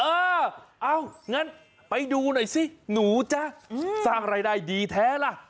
เออเอางั้นไปดูหน่อยสิหนูจ๊ะสร้างรายได้ดีแท้ล่ะ